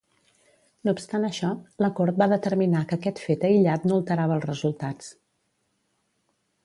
No obstant això, la Cort va determinar que aquest fet aïllat no alterava els resultats.